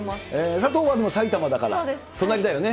佐藤は埼玉だから、隣だよね。